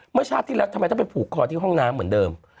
เมื่อชาติที่แล้วทำไมต้องไปผูกคอที่ห้องน้ำเหมือนเดิม